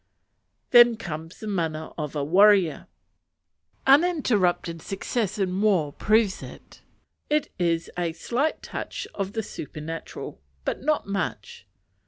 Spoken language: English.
Then comes the mana of a warrior. Uninterrupted success in war proves it. It has a slight touch of the supernatural, but not much.